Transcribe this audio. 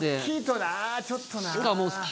大きいとなちょっとな。